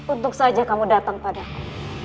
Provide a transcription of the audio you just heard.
untuk saja kamu datang padamu